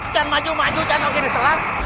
jangan maju maju jangan sampai diselam